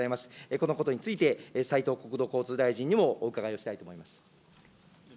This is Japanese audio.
このことについて、斉藤国土交通大臣にもお伺いをしたいと思います。